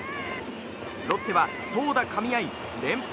ロッテは、投打かみ合い連敗